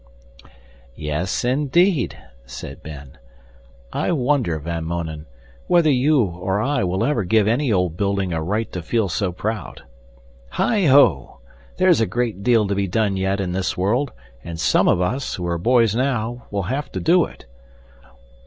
"Yes, indeed," said Ben. "I wonder, Van Mounen, whether you or I will ever give any old building a right to feel so proud. Heigh ho! There's a great deal to be done yet in this world and some of us, who are boys now, will have to do it.